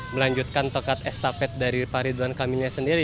melanjutkan tokat estafet dari pak ridwan kamil sendiri